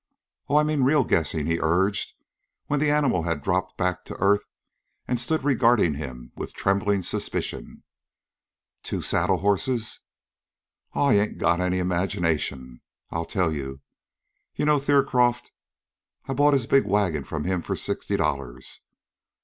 "Oh, I mean real guessin'," he urged, when the animal had dropped back to earth and stood regarding him with trembling suspicion. "Two saddle horses?" "Aw, you ain't got imagination. I'll tell you. You know Thiercroft. I bought his big wagon from 'm for sixty dollars.